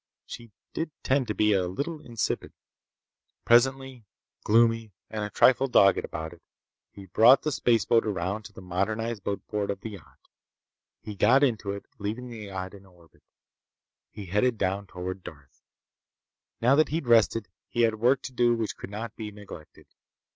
She did tend to be a little insipid— Presently, gloomy and a trifle dogged about it, he brought the spaceboat around to the modernized boatport of the yacht. He got into it, leaving the yacht in orbit. He headed down toward Darth. Now that he'd rested, he had work to do which could not be neglected.